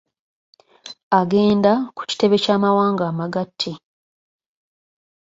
Agenda ku kitebe ky’amawanga amagatte.